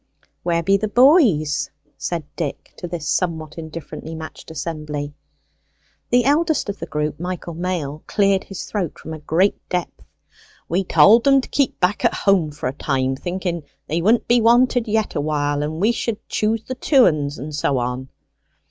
"Where be the boys?" said Dick to this somewhat indifferently matched assembly. The eldest of the group, Michael Mail, cleared his throat from a great depth. "We told them to keep back at home for a time, thinken they wouldn't be wanted yet awhile; and we could choose the tuens, and so on."